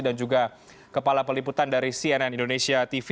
dan juga kepala peliputan dari cnn indonesia tv